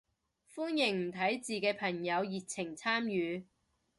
歡迎唔睇字嘅朋友熱情參與